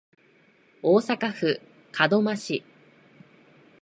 大阪府門真市